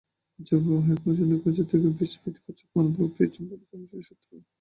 জবাবে হাইকমিশনারের কাছ থেকেও বিসিবি ইতিবাচক মনোভাবই পেয়েছে বলে জানিয়েছে সূত্র।